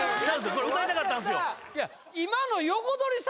これ歌いたかったんすよいや